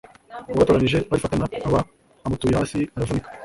Uwabatoranije bagifatana aba amutuye hasi aravunika